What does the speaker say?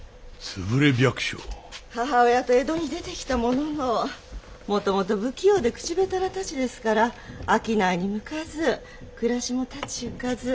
母親と江戸に出てきたもののもともと不器用で口下手なタチですから商いに向かず暮らしも立ちゆかず。